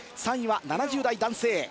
３位は７０代男性。